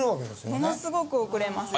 ものすごく遅れます。